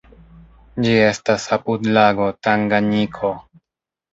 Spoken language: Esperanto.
Ĝi estas apud lago Tanganjiko.